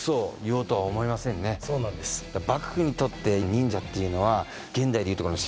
幕府にとって忍者っていうのは現代でいうとこの。